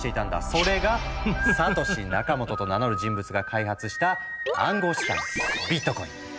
それがサトシ・ナカモトと名乗る人物が開発した暗号資産ビットコイン。